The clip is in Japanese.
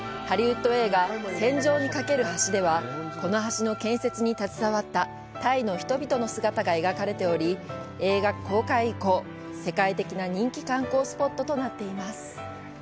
ハリウッド映画「戦場にかける橋」では、この橋の建設に携わったタイの人々の姿が描かれており、映画公開以降、世界的な人気観光スポットとなっています。